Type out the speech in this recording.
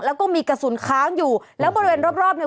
แล้วก็มีกระสุนค้างอยู่แล้วบริเวณรอบรอบเนี่ย